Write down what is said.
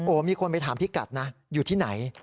มีคนไปถามพี่กัดนะอยู่ที่ไหน